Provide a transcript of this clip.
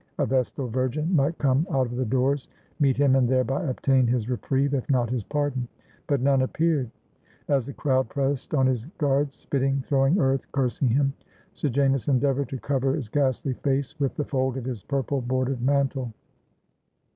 A vestal virgin might come out of the doors, meet him, and thereby obtain his reprieve if not his pardon. But none appeared. As the crowd pressed on his guards, spitting, throwing earth, cursing him, Sejanus endeavored to cover his ghastly face with the fold of his purple bordered mantle.